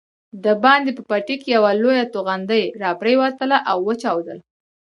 دباندې په بټۍ کې یوه لویه توغندۍ راپرېوتله او وچاودل.